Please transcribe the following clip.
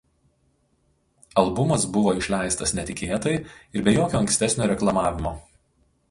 Albumas buvo išleistas netikėtai ir be jokio ankstesnio reklamavimo.